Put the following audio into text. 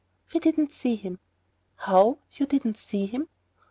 "We didn't see him." "How! You didn't see him?"